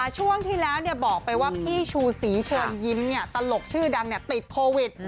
ช่วงที่แล้วบอกไปว่าพี่ชูศรีเชิญยิ้มตลกชื่อดังติดโควิด